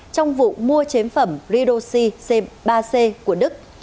trong vụ mua chếm phẩm ridosy c ba c của đức